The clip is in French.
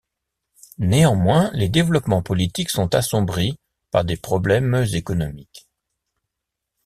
Néanmoins, les développements politiques sont assombris par des problèmes économiques.